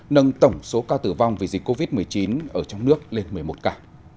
nâng tổng số ca tử vong vì dịch covid một mươi chín ở trong nước lên một mươi một ca